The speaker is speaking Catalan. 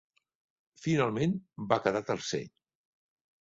Finalment va quedar tercer.